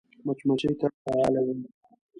مچمچۍ تل فعاله وي